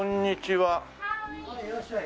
はいいらっしゃい。